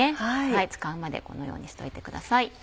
使うまでこのようにしておいてください。